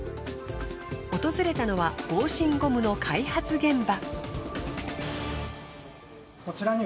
訪れたのは防振ゴムの開発現場。